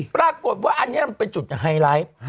ปรากฏว่าอันนี้มันเป็นจุดไฮไลท์